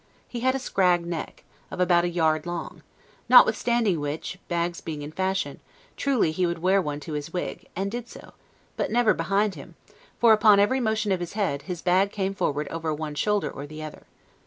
He had a scrag neck, of about a yard long; notwithstanding which, bags being in fashion, truly he would wear one to his wig, and did so; but never behind him, for, upon every motion of his head, his bag came forward over one shoulder or the other.